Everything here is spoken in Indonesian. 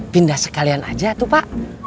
pindah sekalian aja tuh pak